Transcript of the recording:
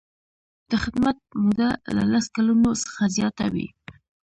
د خدمت موده له لس کلونو څخه زیاته وي.